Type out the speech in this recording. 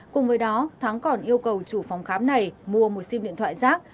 cùng với đó thắng còn yêu cầu chủ phòng khám này mua một sim điện thoại rác